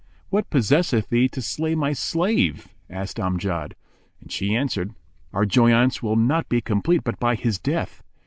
"What possesseth thee to slay my slave?" asked Amjad; and she answered, "Our joyaunce will not be complete but by his death.